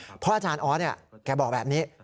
เพราะอาจารย์ออสแกบอกแบบนี้